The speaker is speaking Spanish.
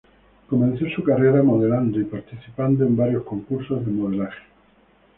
Comenzó su carrera modelando y participando en varios concursos de modelaje.